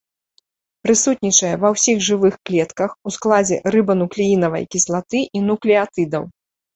Прысутнічае ва ўсіх жывых клетках ў складзе рыбануклеінавай кіслаты і нуклеатыдаў.